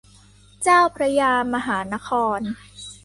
เจ้าพระยามหานคร